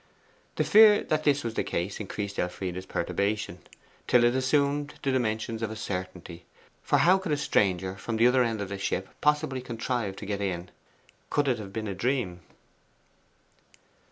The fear that this was the case increased Elfride's perturbation, till it assumed the dimensions of a certainty, for how could a stranger from the other end of the ship possibly contrive to get in? Could it have been a dream?